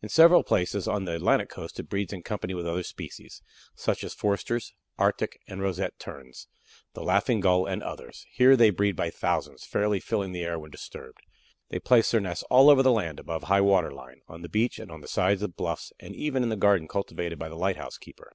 In several places on the Atlantic coast it breeds in company with other species, such as Forster's, Arctic, and Roseate Terns, the Laughing Gull, and others. Here they breed by thousands, fairly filling the air when disturbed. They place their nests all over the land above high water line, on the beach, on the sides of the bluffs, and even in the garden cultivated by the lighthouse keeper.